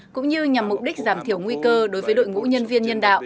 cũng như nhằm mục đích giảm thiểu nguy cơ đối với đội ngũ nhân viên nhân đạo